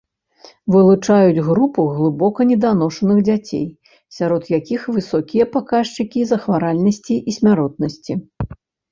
Вылучаюць групу глыбока неданошаных дзяцей, сярод якіх высокія паказчыкі захваральнасці і смяротнасці.